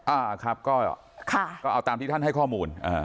อ่าครับก็เอาตามที่ท่านให้ข้อมูล